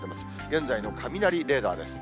現在の雷レーダーです。